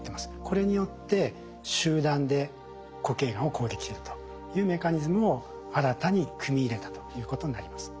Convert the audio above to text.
これによって集団で固形がんを攻撃するというメカニズムを新たに組み入れたということになります。